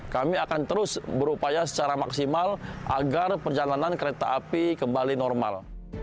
kami akan terus berupaya secara maksimal agar perjalanan kereta api kembali normal